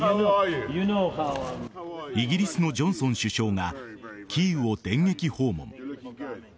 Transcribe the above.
イギリスのジョンソン首相がキーウを電撃訪問。